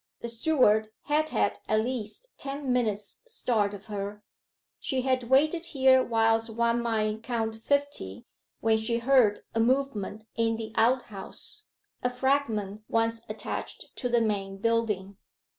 The steward had had at least ten minutes' start of her. She had waited here whilst one might count fifty, when she heard a movement in the outhouse a fragment once attached to the main building.